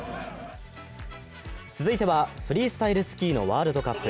続いては、フリースタイルスキーのワールドカップ。